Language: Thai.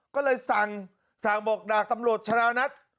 ก็เลยสั่งสั่งบอกดาบตำรวจชดานัท